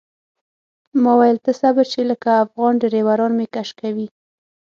ما ویل ته صبر چې لکه افغان ډریوران مې کش کوي.